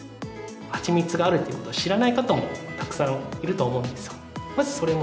蜂蜜があるということを知らない方もたくさんいると思うんですよ。